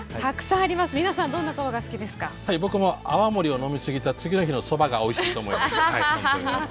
はい僕も泡盛を飲みすぎた次の日のそばがおいしいと思います。